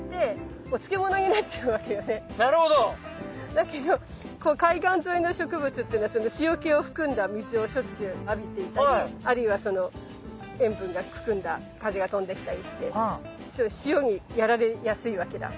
だけど海岸沿いの植物っていうのはその塩気を含んだ水をしょっちゅう浴びていたりあるいはその塩分が含んだ風が飛んできたりして塩にやられやすいわけだ。